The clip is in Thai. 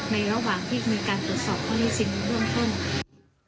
ในระหว่างที่มีการตรวจสอบข้อมูลสินร่วมข้อมูล